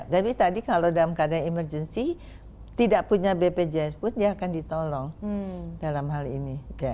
tapi tadi kalau dalam keadaan emergency tidak punya bpjs pun dia akan ditolong dalam hal ini